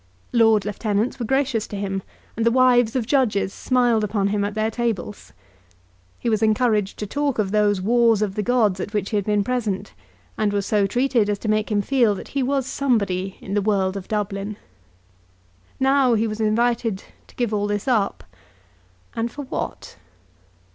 Lord Lieutenants were gracious to him, and the wives of judges smiled upon him at their tables. He was encouraged to talk of those wars of the gods at which he had been present, and was so treated as to make him feel that he was somebody in the world of Dublin. Now he was invited to give all this up; and for what?